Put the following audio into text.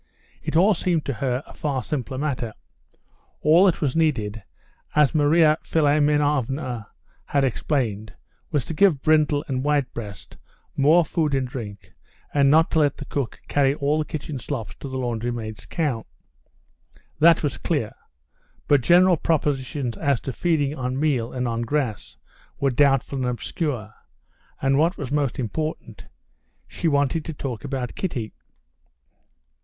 It all seemed to her a far simpler matter: all that was needed, as Marya Philimonovna had explained, was to give Brindle and Whitebreast more food and drink, and not to let the cook carry all the kitchen slops to the laundry maid's cow. That was clear. But general propositions as to feeding on meal and on grass were doubtful and obscure. And, what was most important, she wanted to talk about Kitty.